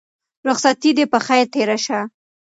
رخصتي دې په خير تېره شه.